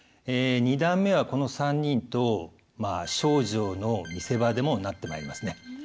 二段目はこの３人と丞相の見せ場でもなってまいりますね。